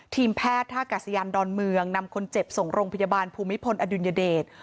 ทีมแพทย์ท่ากาศยานดอนเมืองนำคนเจ็บส่งโรงพยาบาลภูมิพลอดุลยเดช